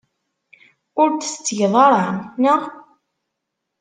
Ur t-tettgeḍ ara, naɣ?